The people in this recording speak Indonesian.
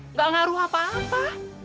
nggak ngaruh apa apa